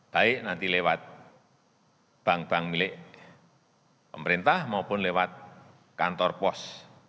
baik nanti lewat bank bank milik pemerintah maupun lewat kantor pos